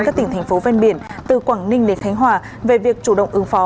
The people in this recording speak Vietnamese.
các tỉnh thành phố ven biển từ quảng ninh đến khánh hòa về việc chủ động ứng phó